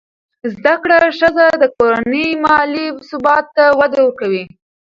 زده کړه ښځه د کورنۍ مالي ثبات ته وده ورکوي.